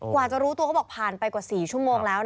กว่าจะรู้ตัวเขาบอกผ่านไปกว่า๔ชั่วโมงแล้ว